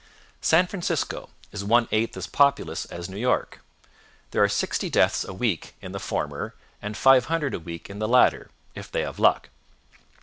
San Francisco is one eighth as populous as New York; there are 60 deaths a week in the former and 500 a week in the latter if they have luck.